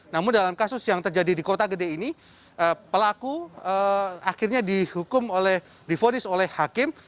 namun dalam kasus yang terjadi di kota gede ini pelaku akhirnya dihukum oleh difonis oleh hakim